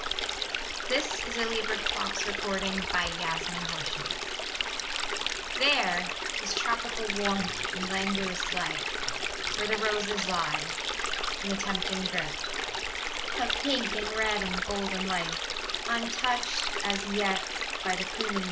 Alice Ruth Moore (Alice Dunbar) Amid the Roses THERE is tropical warmth and languorous life Where the roses lie In a tempting drift Of pink and red and golden light Untouched as yet by the pruning knife.